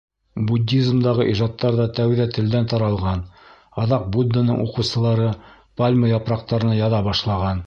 Буддизмдағы ижадтар ҙа тәүҙә телдән таралған, аҙаҡ Будданың уҡыусылары пальма япраҡтарына яҙа башлаған.